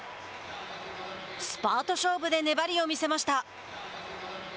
スパート勝負で粘りを見せました。